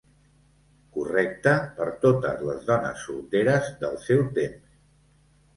Correcte per totes les dones solteres del seu temps.